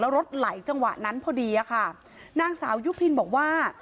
แล้วรถไหลจังหวะนั้นพอดีอะค่ะนางสาวยุพินบอกว่า